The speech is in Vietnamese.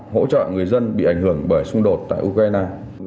hỗ trợ người dân bị ảnh hưởng bởi xung đột tại ukraine